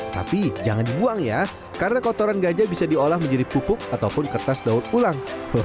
tapi jangan dibuang ya karena kotoran gajah bisa diolah menjadi pupuk ataupun kertas daun ulang